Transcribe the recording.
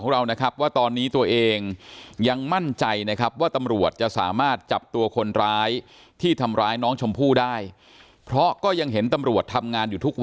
อย่าไปหาสี่คนไห้ตำรวจสอบมาทำเอง